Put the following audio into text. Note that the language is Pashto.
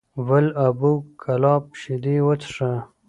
ول ابو کلاب شیدې وڅښه!